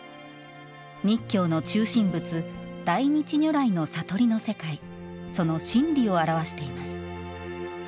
密教の中心仏、大日如来の悟りの世界その真理を表しています。